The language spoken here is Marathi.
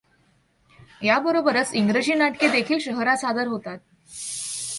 याबरोबरच इंग्रजी नाटके देखिल शहरात सादर होतात.